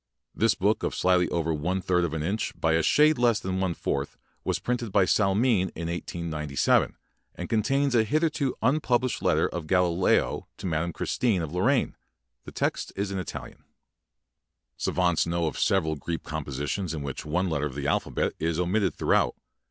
This book of slightly over one third of an inch by a shade less than one fourth, was printed by Salmin in 1897, and con tains a hitherto unpublished letter of Galileo to Madame Cristine of Lor raine. The text is Italian. THE WORLD'S MOST CURIOUS BOOKS Savants know of several Gredc com positions in which one letter of the al phabet is omitted throughout.